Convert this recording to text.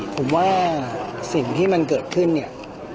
ผมว่าสิ่งที่มันเกิดขึ้นเนี่ย